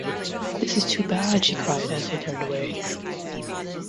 “This is too bad,” she cried, as they turned away.